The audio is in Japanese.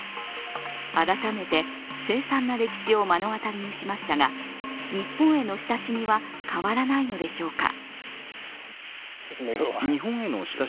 改めて凄惨な歴史を目の当たりにしましたが日本への親しみは変わらないのでしょうか。